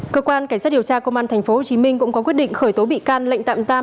cơ quan cảnh sát điều tra công an tp hcm cũng có quyết định khởi tố bị can lệnh tạm giam